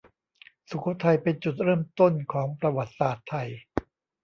สุโขทัยเป็นจุดเริ่มต้นของประวัติศาสตร์ไทย